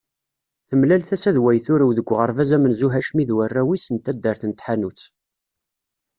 Temlal tasa d way turew deg uɣerbaz amenzu Hacmi d warraw-is n taddart n Tḥanut.